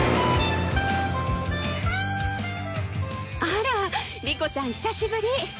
あら莉子ちゃん久しぶり。